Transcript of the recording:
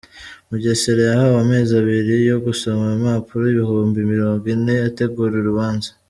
Mugesera yahawe amezi abiri yo gusoma impapuro ibihumbi Mirongo Ine ategura urubanza